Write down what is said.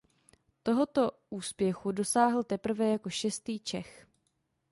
Tohoto úspěchu dosáhl teprve jako šestý Čech.